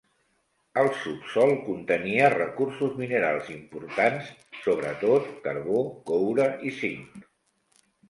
El subsòl contenia recursos minerals importants, sobretot carbó, coure i zinc.